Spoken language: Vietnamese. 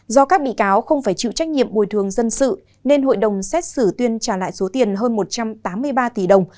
do các bị cáo không phải chịu trách nhiệm bồi thường dân sự nên hội đồng xét xử tuyên trả lại số tiền hơn một trăm tám mươi ba tỷ đồng